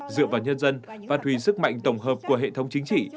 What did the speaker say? dựa vào nhân dân phát huy sức mạnh tổng hợp của hệ thống chính trị